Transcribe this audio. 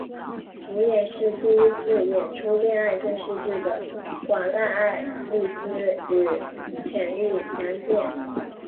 主演是第一次演出恋爱电视剧的广濑爱丽丝与浅利阳介。